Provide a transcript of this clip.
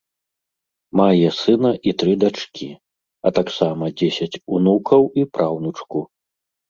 Мае сына і тры дачкі, а таксама дзесяць унукаў і праўнучку.